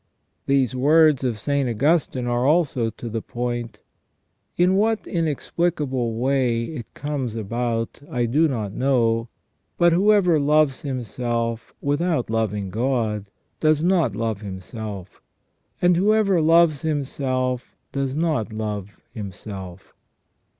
These words of St. Augustine are also to the point :" In what inexplicable way it comes about I do not know, but whoever loves himself without loving God does not love himself; and whoever loves himself does not love himself